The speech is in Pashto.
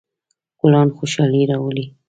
ګلان خوشحالي راولي.